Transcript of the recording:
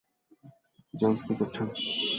Jones, কী করছ?